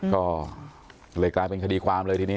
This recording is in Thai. ก็เลยกลายเป็นคดีความเลยทีนี้